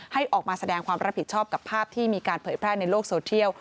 ออกมาแสดงความรับผิดชอบกับภาพที่มีการเผยแพร่ในโลกโซเทียล